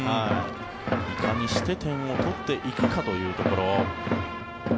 いかにして点を取っていくかというところ。